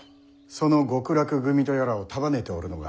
その極楽組とやらを束ねておるのが錦氷ノ